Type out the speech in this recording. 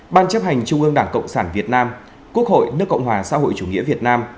ban chấp hành trung ương đảng cộng sản việt nam quốc hội nước cộng hòa xã hội chủ nghĩa việt nam